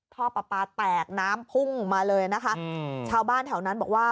ท่อปลาปลาแตกน้ำพุ่งมาเลยนะคะอืมชาวบ้านแถวนั้นบอกว่า